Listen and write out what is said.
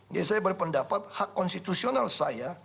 jadi saya berpendapat hak konstitusional saya